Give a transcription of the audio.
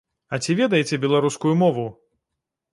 А ці ведаеце беларускую мову?